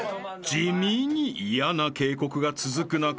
［地味に嫌な警告が続く中